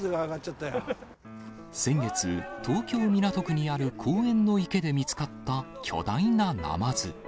先月、東京・港区にある公園の池で見つかった巨大なナマズ。